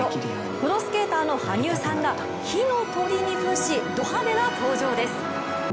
プロスケーターの羽生さんが火の鳥にふんしド派手な登場です。